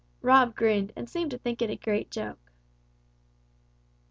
Rob grinned, and seemed to think it a great joke.